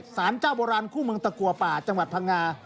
สารเจ้าโบราณคู่เมืองตะกัวป่าจังหวัดพังงา